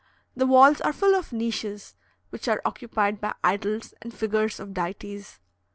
The walls are full of niches, which are occupied by idols and figures of deities.